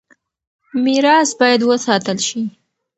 ميراث بايد وساتل شي.